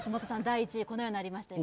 第１位このようになりました